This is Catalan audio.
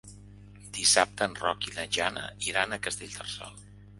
Dissabte en Roc i na Jana iran a Castellterçol.